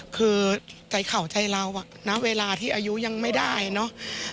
คือใจเข่าใจเรานะเวลาที่อายุยังไม่ได้เนอะ